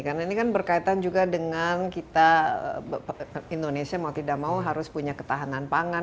karena ini kan berkaitan juga dengan kita indonesia mau tidak mau harus punya ketahanan pangan